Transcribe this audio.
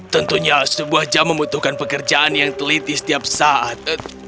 tentunya sebuah jam membutuhkan pekerjaan yang teliti setiap saat